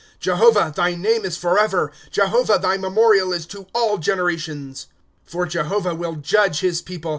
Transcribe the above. ^^ Jehovah, thy name is forever ; Jehovah, thy memorial is to all generations. " For Jehovah will judge his people.